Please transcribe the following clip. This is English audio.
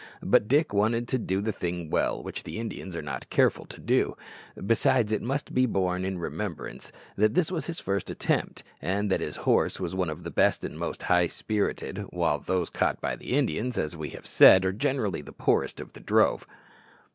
But Dick wanted to do the thing well, which the Indians are not careful to do; besides, it must be borne in remembrance that this was his first attempt, and that his horse was one of the best and most high spirited, while those caught by the Indians, as we have said, are generally the poorest of a drove.